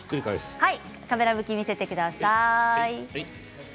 カメラ向きに見せてください。